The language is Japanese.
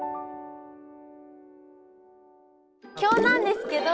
今日なんですけど。